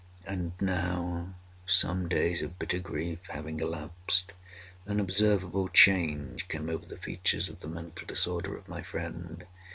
And now, some days of bitter grief having elapsed, an observable change came over the features of the mental disorder of my friend.